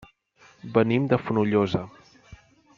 Venim de Fonollosa.